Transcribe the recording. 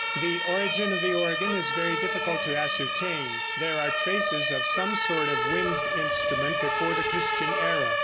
The origin of the organ is very difficult to ascertain. There are traces of some sort of wind instrument before the Christian era.